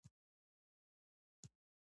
وېرېدل چې ټولنې نظم ګډوډ کړي.